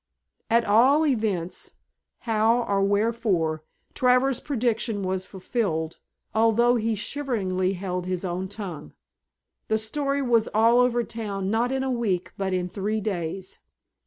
At all events, how or wherefore, Travers' prediction was fulfilled, although he shiveringly held his own tongue. The story was all over town not in a week but in three days.